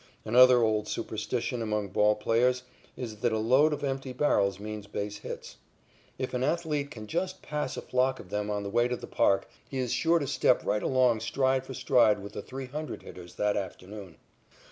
Another old superstition among ball players is that a load of empty barrels means base hits. If an athlete can just pass a flock of them on the way to the park, he is sure to step right along stride for stride with the three hundred hitters that afternoon.